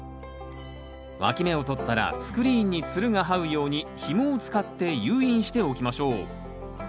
わき芽をとったらスクリーンにつるがはうようにひもを使って誘引しておきましょう。